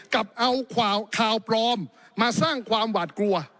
กับเอาข่าวปลอมมาสร้างความหวาดกลัว